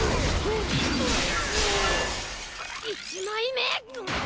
１枚目。